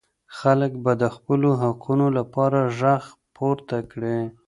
خلګ به د خپلو حقونو لپاره ږغ پورته کړي.